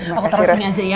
aku terusin aja ya